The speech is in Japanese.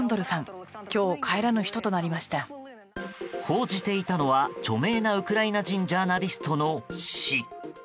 報じていたのは著名なウクライナ人ジャーリストの死。